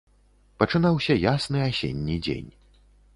Пачынаўся ясны асенні дзень.